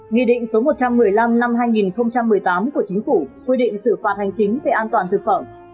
nghị định số một trăm một mươi năm năm hai nghìn một mươi tám của chính phủ quy định xử phạt hành chính về an toàn thực phẩm